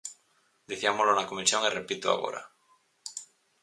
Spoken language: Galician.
Diciámolo na comisión e repítoo agora.